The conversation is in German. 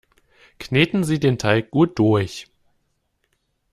Kneten Sie den Teig gut durch!